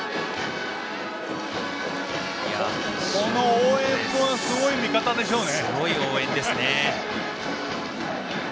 応援もすごい味方でしょうね。